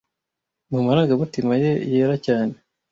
mu marangamutima ye yera cyane